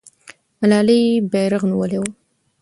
ملالۍ بیرغ نیولی وو.